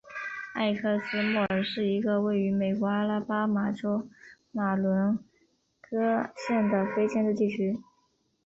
埃克斯莫尔是一个位于美国阿拉巴马州马伦戈县的非建制地区。